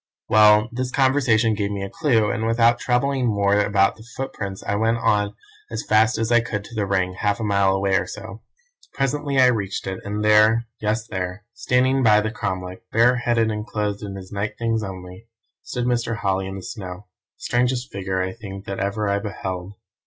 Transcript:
"Well, this conversation gave me a clue, and without troubling more about the footprints I went on as fast as I could to the Ring, half a mile or so away. Presently I reached it, and there yes, there standing by the cromlech, bareheaded, and clothed in his night things only, stood Mr. Holly in the snow, the strangest figure, I think, that ever I beheld.